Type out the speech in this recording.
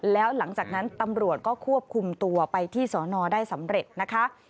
แล้วหลังจากนั้นตำรวจก็ควบคุมตัวไปที่สอนอได้สำเร็จนะคะ